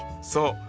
そう。